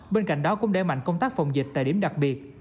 bên cạnh đó cũng đẩy mạnh công tác phòng dịch tại điểm đặc biệt